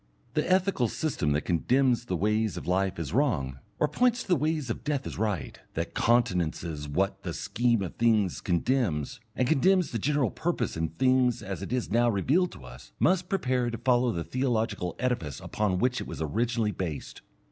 The ethical system that condemns the ways of life as wrong, or points to the ways of death as right, that countenances what the scheme of things condemns, and condemns the general purpose in things as it is now revealed to us, must prepare to follow the theological edifice upon which it was originally based.